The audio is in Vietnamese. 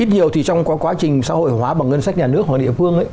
ít nhiều thì trong quá trình xã hội hóa bằng ngân sách nhà nước hoặc ở địa phương ấy